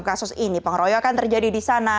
kasus ini pengeroyokan terjadi di sana